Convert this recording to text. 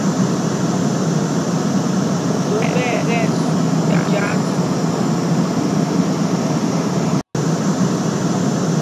Tombá ɛ tí ɛsum njāā sukûl.